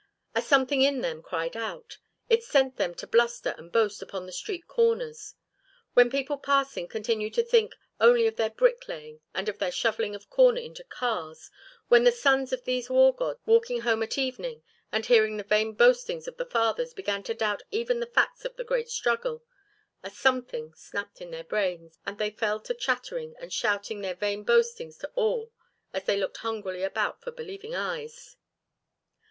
A something in them cried out. It sent them to bluster and boast upon the street corners. When people passing continued to think only of their brick laying and of their shovelling of corn into cars, when the sons of these war gods walking home at evening and hearing the vain boastings of the fathers began to doubt even the facts of the great struggle, a something snapped in their brains and they fell to chattering and shouting their vain boastings to all as they looked hungrily about for believing eyes.